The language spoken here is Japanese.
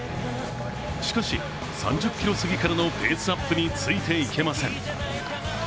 しかし、３０ｋｍ過ぎからのペースアップについていけません。